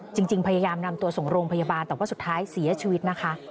จริงพยายามนำตัวส่งโรงพยาบาลแต่ว่าสุดท้ายเสียชีวิตนะคะ